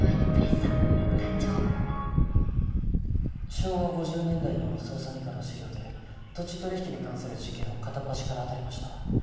昭和５０年代の捜査二課の資料で土地取引に関する事件を片っ端から当たりました